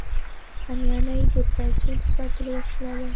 همیانۍ د پیسو د ساتلو وسیله ده